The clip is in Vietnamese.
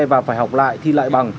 và phải học lại thi lại bằng